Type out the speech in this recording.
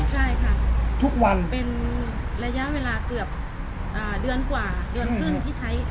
ใช่ค่ะทุกวันเป็นระยะเวลาเกือบเดือนกว่าเดือนครึ่งที่ใช้